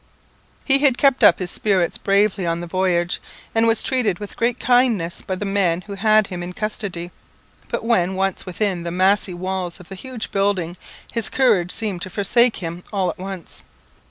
He had kept up his spirits bravely on the voyage, and was treated with great kindness by the men who had him in custody; but when once within the massy walls of the huge building, his courage seemed to forsake him all at once.